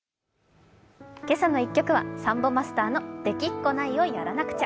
今朝の一曲はサンボマスターの「できっこないをやらなくちゃ」。